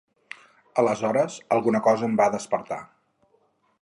Aleshores alguna cosa em va despertar.